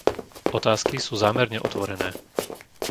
Otázky sú zámerne otvorené.